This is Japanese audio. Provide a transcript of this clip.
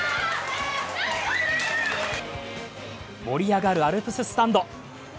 盛り上がるアルプススタンド。